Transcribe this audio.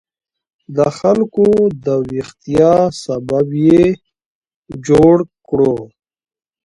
د خلکو د ویښتیا سبب یې جوړ کړو.